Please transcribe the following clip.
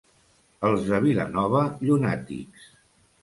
Els de Vilanova, llunàtics.